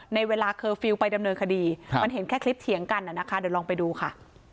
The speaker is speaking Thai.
ในเวลาเคอร์ฟิลล์ไปดำเนินคดีมันเห็นแค่คลิปเถียงกันนะคะเดี๋ยวลองไปดูค่ะ